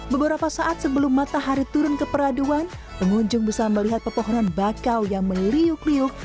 beberapa saat sebelum matahari turun ke peraduan pengunjung bisa melihat pepohonan bakau yang meliuk liuk